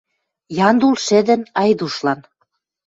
Яндул шӹдӹн, Айдушлан.